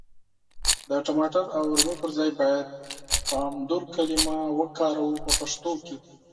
د ټماټر او رومي پر ځای بايد پامدور کلمه وکاروو په پښتو کي.